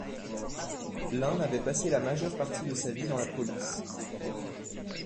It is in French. L’un avait passé la majeure partie de sa vie dans la police.